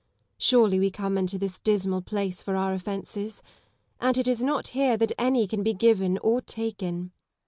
Surely we come into this dismal place for our offences ; and it is not here that any can be given or taken.